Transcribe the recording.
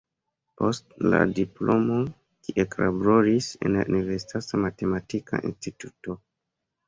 Post la diplomo ki eklaboris en la universitata matematika instituto.